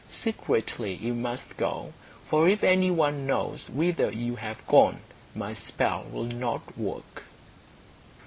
Secretly you must go, for if any one knows whither you have gone my spell will not work."